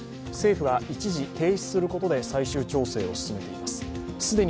政府が一時停止することで最終調整を進めています。